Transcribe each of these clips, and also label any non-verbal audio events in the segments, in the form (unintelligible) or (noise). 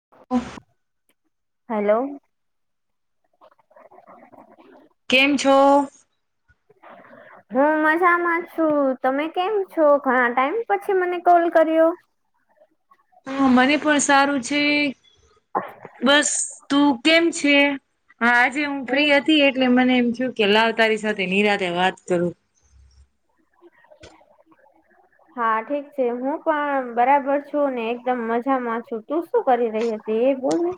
(unintelligible) Hello કેમ છો? (unintelligible) હું મજામાં છું. તમે કેમ છો? ઘણા ટાઈમ પછી મને કોલ કર્યો હા મને પણ સારું છે. બસ તું કેમ છે? હા આજે હું ફ્રી હતી એટલે મને એમ થુ કે લાવ તારી સાથે નિરાતે વાત કરું. (unintelligible) હા ઠીક છે હું પણ બરાબર છું ને એકદમ મજામાં છું તું શું કરી રહી હતી? એ બોલને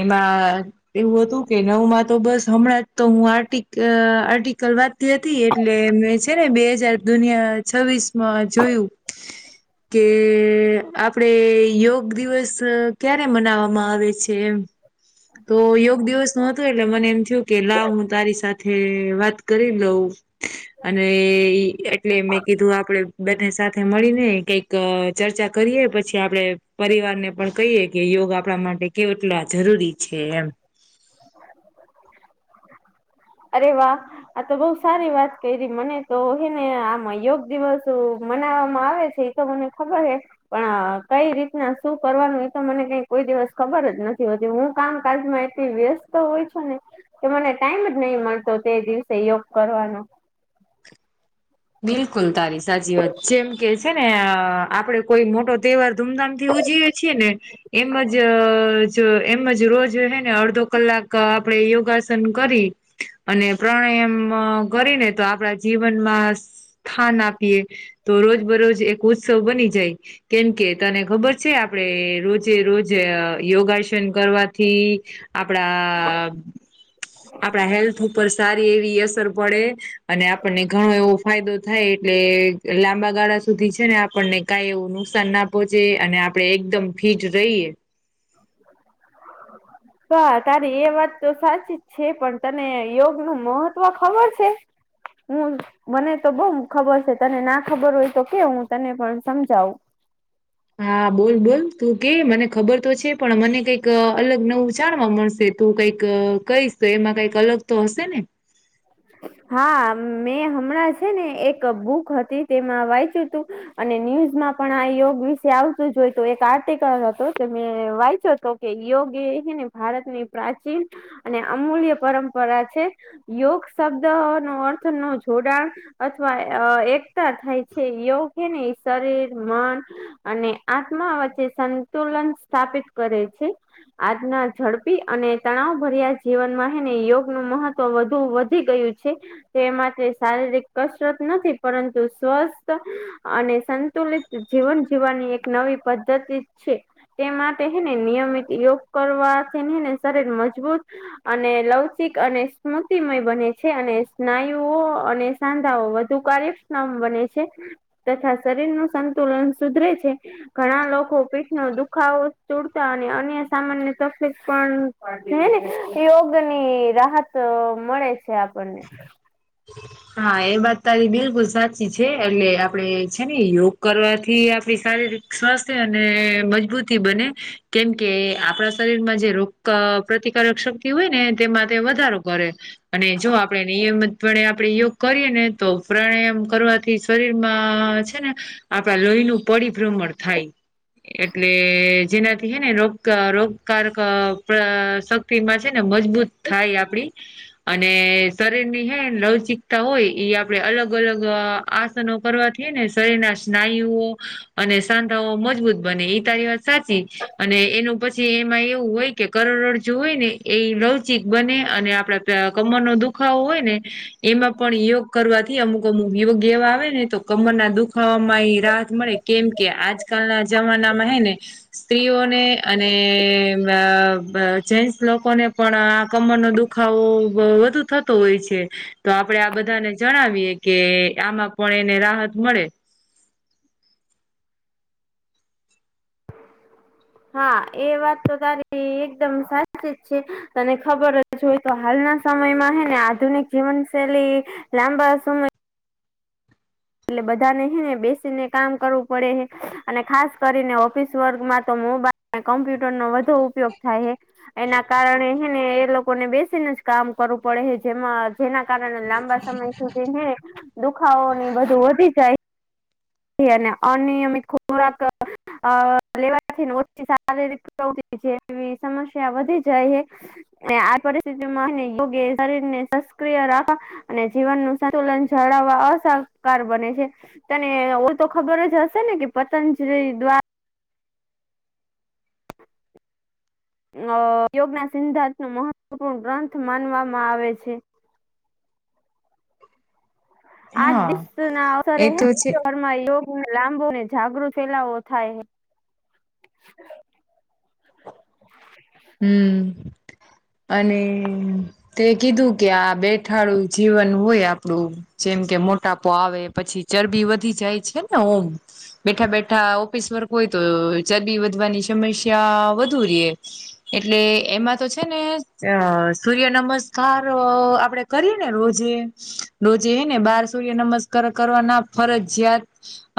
એમાં એવું હતું કે નવમાં તો બસ હમણાં જ તો હું આર્ટ આર્ટિકલ વાત હતી એટલે છે ને બે હજાર દુનિયા છવ્વીસ માં જોયું કે આપ આપણે યોગ દિવસ ક્યારે મનાવામાં આવે છે? એમ તો યોગ દિવસ ન એટલે મને એમ થયું કે લાવ હું તારી સાથે વાત કરી લઉં. અને એટલે મેં કીધું આપડે બને સાથે સાથે મળીને કઈક ચર્ચા કરીએ પછી આપડે પરિવાર ને પણ કહીએ કે યોગ આપણા માટે કે એટલા જરૂરી છે એમ. અરે વાહ! ! આ તો બઉ સારી વાત કરી મને તો હે ને આમાં યોગ દિવસ મનાવામાં આવે છે મને ખબર હે. પણ કઈ રીતના શું કરવાનું એતો મને કઈ કોઈ દિવસ ખબર જ નથી હોતી હું કામકાજમાં વ્યસ્ત હોય છુ ને તો, મને ટાઈમ જ નહીં મળતો તે દિવસે યોગ કરવાનો. બિલકુલ તારી સાચી વાત જેમ કે છે ને આપડે કોઈ મોટો તહેવાર ધૂમધામ થી ઉજવીએ છેએ ને એમજ અ જો એમજ રોજ હે ને અડધો કલાક આપડે યોગાસન કરી અને પ્રાણાયામ કરીને તો આપડા જીવનમાં સ્થાન આપીએ તો રોજ બરોજ એક ઉત્સવ બની જાય. કેમકે તને ખબર છે આપડે રોજે રોજ યોગાસન કરવાથી આપણા આપણા હેલ્થ ઉપર સારી એવી અસર પડે. અને આપણને ઘણો એવો. ફાયદો થાય એટલે લાંબા ગાળા સુધી છે ને આપણને કાઈ એવું નુકસાન ના પોચે અને આપડે એકદમ ફીટ રહીએ. (inaudible) હા તારી એ વાત તો સાચી જ છે પણ, તને યોગ નું મહત્વ ખબર છે? હું મને તો બઉ ખબર છે તને ના ખબર હોય તો કે હું તને પણ સમજાવું. હા બોલ બોલ તું કે મને ખબર તો છે પણ મને કઈક અલગ નવું જાણવા મળશે. તું કઈક કઈશ તો એમાં કઈક અલગ તો હશે ને? હા મેં હમણાં છે ને એક બુક હતી તેમાં વાંચ્યું હતું અને ન્યૂઝમાં પણ આ યોગ વિશે આવતું જોય તો એક આર્ટિકલ હતો તે મે વાંયચો હતો. કે યોગ એ ને ભારતની પ્રાચીન અને અમૂલ્ય પરંપરા છે. યોગ શબ્દ નો અર્થ નો જોડાણ. અથવા એકતા થાય છે યોગ એ ને શરીર, મન અને આત્મા વચ્ચે સંતુલન સ્થાપિત કરે છે. આજના ઝડપી અને તણાવ ભર્યા જીવન માં હને યોગ નું મહત્વ વધુ. વધી ગયું છે. તે માટે શારીરિક કસરત નથી પરંતુ સ્વસ્થ અને સંતુલિત જીવન જીવવાની એક નવી પદ્ધતિ છે. તે માટેને નિયમિત યોગ કરવાથી એને શરીર મજબૂત. અને લવચિક અને સ્મુથ શતિમય બને છે અને સ્નાયુઓ અને સાંધાઓ વધુ કાર્યક્ષણમ બને છે. તથા શરીર નું સંતુલન સુધરે છે. ઘણા લોકો પીઠ નો દુખાવો તૂડતા અને અન્ય સામાન્ય તકલીફ પણ. હને યોગ ની રાહત મળે છે આપણને. હા એ વાત તારી બિલકુલ સાચી છે એટલે આપડે છે ને યોગ કરવાથી આપડી સારી રીતે સ્વસ્થ અને મજબૂતી બને કેમકે આપણા શરીરમાં જે રોગ ક પ્રતિકારક શક્તિ હોય ને તેમાં વધારો કરે અને જો આપણે નિયમિતપણે આપ આપણે યોગ કરીએ ને તો પ્રાણાયામ કરવાથી શરીરમાં છે ને આપણા લોહી નું પરિભ્રમણ થાય. એટલે જેનાથી હે ને રોગ રોગકારક પ્રસબ થી માં છે ને મજબૂત થાય આપડી અને શરીરની હે લવ ચીક તા હોય આપડે અલગ અલગ આસનો કરવાથી ને શરીર ના સ્નાયુઓ. અને સાંધાઓ મજબૂત બને એ તારી વાત સાચી. અને એનું પછી એમાં એવું હોય કે કરોડરજ્જુ હોય ને એ લવચિક બને અને આપડા કમર નો દુખાવો હોય ને. એમાં પણ યોગ કરવાથી અમુક અમુક યોગ એવા આવે ને તો કમરના દુખાવામાં એ રાહત મળે. કેમ કે આજકાલના જમાનામાં હે ને. સ્ત્રીઓને અને જેસ લોકોને પણ આ કમર ન દુખ દ ખાવો વધુ થતો હોય છે. તો આપડણે આ બધાને જણાવીએ કે આમાં પણ એને રાહત મળે હા એ વાત તો તારી એકદમ સાચી જ છે તને ખબર જ હોય તો હાલના સમયમાં હે ને આધુનિક જીવનશૈલી લાંબા સમય એટલે બધાને હે ને બેસીને કામ કરવું પડે હે અને ખાસ કરીને ઓફિસ વર્ગમાં તો મોબાઈલ ને કમ્પ્યુટરનો વધો ઉપયોગ થાય હે. એના કારણે હે ને એ લોકોને બેસીને જ કામ કરવું પડે હે જેમાં જેના કારણે લાંબા સમય સુધી હે ને દુખાવોને ઈ બધું વધી જાય. હે અને અનિયમિત ખોરાક અ લેવાથી ને ઓછી શારીરિક પ્રવૃતિ જેવી સમસ્યા વધી જાય હે. અને આ પરિસ્થિતિમાં હે ને યોગ એ શરીરને સસ્ક્રિય રાખવા. અને જીવનનું સંતુલન જાળવવા અસહકાર બને છે અને અને ઓ તો ખબર જ હશે ને કે પતંજલી દ્વા (inaudible) અ યોગના સિદ્ધાંતનું મહત્વપૂર્ણ ગ્રંથ માનવામાં આવે છે. આ હા દિવસના અવસરે હે ને ઘરમાં યોગને લાંબો ને જાગૃત ફેલાવો થાય હે. હમ અને તે કીધું કે આ બેઠાળું જીવન હોય આપણું જેમ કે મોટાપો આવે, પછી ચરબી વધી જાય છે ને ઓમ. બેઠા બેઠા ઓફિસ વર્ક હોય તો ચરબી વધવાની સમસ્યા વધુ રે. હ એટલે એમાં તો છે ને અ સૂર્ય નમસ્કાર આપણે કરીએ ને રોજે. રોજે હે ને બાર સૂર્ય નમસ્કાર કરવાના ફરજીયાત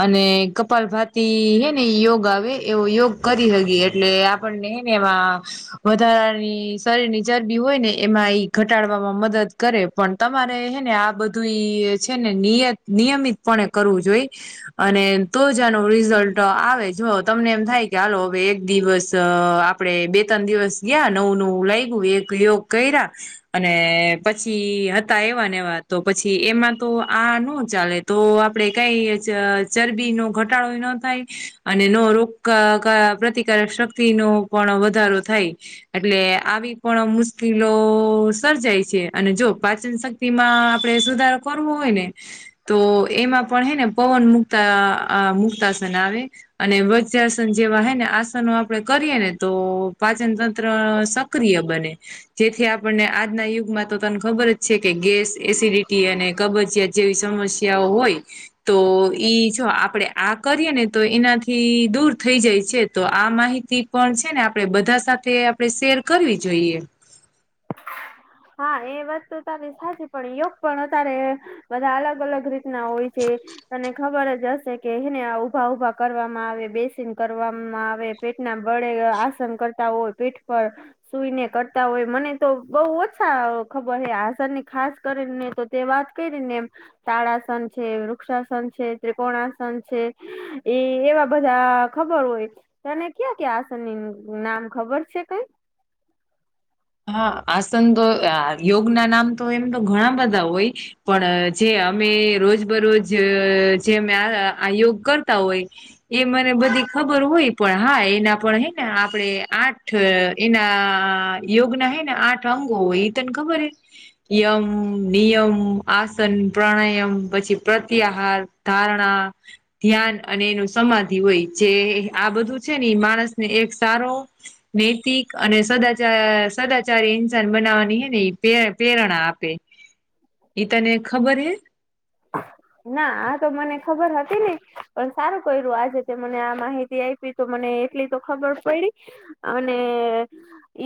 અને કપાલભાતી હે ને યોગ આવે એવો યોગ કરી હગી એટલે આપ તમને હે ને એવા વધારાની શરીરની ચરબી હોય ને એમાં ઈ ઘટાડવામાં મદદ કરે પણ તમારે હે ને આ બધું ઈ છે ને નિયત નિયમિતપણે કરવું જોઈએ. અને તો જ આનું રિઝલ્ટ આવે જો તમને એમ થાય કે હાલો હવે એક દિવસ આ આપડે બે તન દિવસ ગયા, નવું નવું લાગ્યું, એક યોગ કર્યા. અને પછી હતા એવાને એવા તો પછી એમાં તો આ નો ચાલે. તો આપડે કાઈ ચ ચરબીનો ઘટાડો એ ન થાય. અને નો રોક કા પ્રતિકારક શક્તિનો પણ વધારો થાય. એટલે આવી પણ મુશ્કીલો સર્જાય છે અને જો પાચનશક્તિમાં આપણે સુધારો કરવો હોય ને તો એમાં પણ હે ને પવન મુક્તા મુક્તાસન આવે. અને વજ્રાસન જેવા હે ને આસનો આપણે કરીએ ને તો પાચનતંત્ર સક્રિય બને. જેથી આપણને આજના યુગમાં તો તને ખબર જ છે કે ગેસ, એસિડિટી અને કબજીયાત જેવી સમસ્યાઓ હોય તો ઈ જો આપણે આ કરીએ ને તો એનાથી દૂર થઈ જાય છે તો આ માહિતી પણ છે ને આપડે બધા સાથે આપણે શેર કરવી જોઈએ. (inaudible) હા એ વાત તો તારી સાચી પણ યોગ પણ અતારે બધાં અલગ અલગ રીતના હોય છે. તને ખબર જ હશે કે હે ને આ ઉભા ઉભા કરવામાં આવે, બેસીન કરવામાં આવે. પેટના બળે આસન કરતા હોય પેટ પર સુઈને કરતા હોય મને તો બહુ ઓછા ખબર હ આશા ની ખાસ કરીને તો તે વાત કરી ર ને એમ તાળાસન છે, વૃક્ષાસન છે, ત્રિકોણાસન છે. એ એવા બધાં ખબર હોય તને ક્યાં ક્યાં આસનની નામ ખબર છે કઈ? હહ આસન તો આ યોગના નામ તો એમ તો ઘણા બધા હોય. પણ જે અમે રોજ બરોજ જે અમે આ યોગ કરતા હોય ઈ મને બધી ખબર હોય પણ હા એના પણ હે ને આપડે આઠ એના યોગ ના હે ને આઠ અંગો હોય ઈ તને ખબર હે? યમ, નિયમ, આસન, પ્રાણાયામ, પછી પ્રત્યાહાર ધારણા ધ્યાન અને એનું સમાધિ હોય જે આ બધું છે ને માણસને એક સારો નૈતિક અને સદાચ સદાચારી ઇન્સાન બનાવવાની હે ને એ પ્રેરણા આપે. તને ખબર હ? (inaudible) ના આ તો મને ખબર હતી નહ. પણ સારું કર્યું આજે તે મને આ માહિતી આપ. તો મને એટલી તો ખબર પડી અને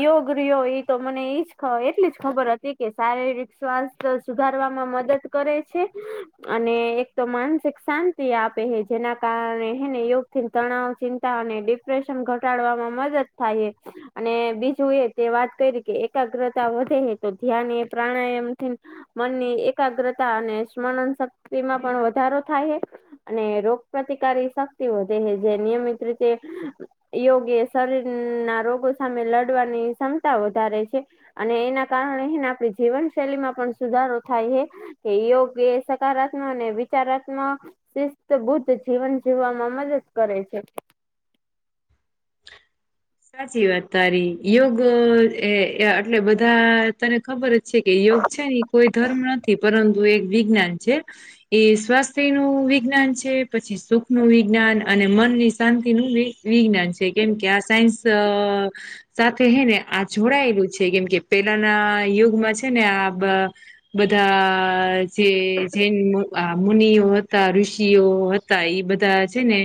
યોગ રહયો એ તો મને એઈજ એટલી જ ખબર હતી કે શારીરિક શ્વાસ તો સુધારવામાં મદદ કરે છે. (inaudible) અને એક તો માનસિક શાંતિ આપે હ જેના કારણે હને યોગથી તણાવ, ચિંતા અને પ્રેશન ઘટાડવામાં મદદ થાય. અને બીજું એ તે વાત કરી કે એકાગ્રતા વધે તો ધ્યાન એ પ્રાણાયામથી મનની એકાગ્રતા અને સ્મરણ શક્તિમાં પણ વધારો થાય. અને રોગ પ્રતિકારક શક્તિ વધે છે જે નિયમિત રીતે યોગ એ શરીર ના રોગો સામે લડવાની ક્ષમતા વધારે છે. અને એના કારણે એને આપડી જીવન શૈલી માં પણ સુધારો થાય છે કે યોગ સકારાત્મક અને વિચારાત્મક શિસ્ત બુદ્ધ જીવન જીવવામાં મદદ કરે છે. સાચી વાત તારી યોગ એ એટલે બધા તને ખબર છે કે યોગ છે ને એ કોઈ ધર્મ નથી પરંતુ એક વિજ્ઞાન છે. એ સ્વાસ્થ્ય નું વિજ્ઞાન છે પછી સુખ નું વિજ્ઞાન અને મનની શાંતિનું વિજ્ઞાન છે કેમ કે આ સાયન્સ સાથે હ ને આ જોડાયેલું છે કેમ કે પેલાના યુગમાં છે ને આ બધા જેૈન મુનિઓ હતા, ઋષિઓ એ બધા છે ને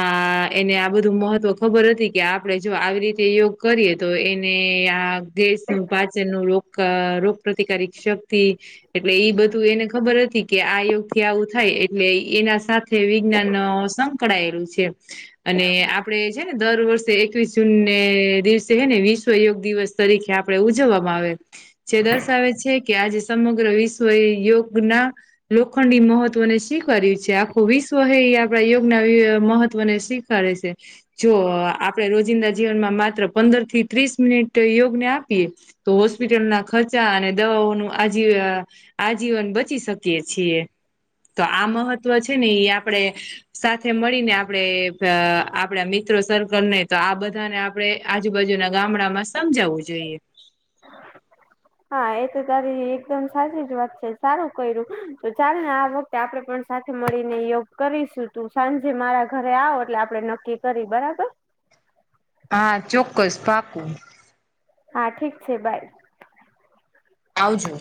આ એને આ બધું મહત્વ ખબર હતી કે આપણે જો આવી રીતે યોગ કરીએ તો એને આ દેશનું પાચન નું રોગ રોગ પ્ર્રતિકારિક શક્તિ એટલે ઈ બધું એને ખબર હતી. કે આ યોગ થી આવું થાય એટલે એના સાથે વિજ્ઞાન સંકળાયેલું છે. અને આપડે છે ને દર વર્ષે એક એકવીસ જૂન ને દિવસે હે ને વિશ્વ યોગ દિવસ તરીકે આપડે ઉજવવામાં આવે. જે દર્શાવે છે કે આજે સમગ્ર વિશ્વ યોગના લોખંડી મહત્વને સ્વીકાર્યું છે આખું વિશ્વ હ એ આપણા યોગના મહત્વને સ્ કરે છે જો આપ આપણે રોજિંદા જીવનમાં માત્ર પંદર થી ત્રીસ મિનિટ યોગને આપીએ તો હોસ્પિટલ ના ખર્ચા અને દવાઓનું આજી આજીવન બચી શકીએ છીએ તો આ મહત્વ છે ને એ આપણેે સાથે મળીને આપણેે આપડા મિત્રો સર્કલ ને તો આ બધાને આપણે આજુબાજુના ગામડામાં સમજાવવું જોઈએ. હા એ તો તારી એકદમ સાચી જ વાત છે સારું કર્યું તો ચાલ ને આ વખત તે આપડે પણ સાથે મળીને યોગ કરીશું તું સાંજે મારા ઘરે આવ એટલે આપડણે નક્કી કરી બરાબર. હા ચોક્કસ પાકું. હા ઠીક છે બાય. આવજો.